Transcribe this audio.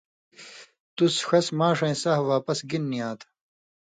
تُس ݜس ماݜَیں سہہۡ واپس گِنہۡ نی آں تھہ